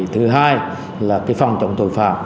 thứ hai là phòng trọng tội phạm